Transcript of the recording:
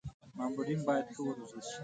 مامورین باید ښه و روزل شي.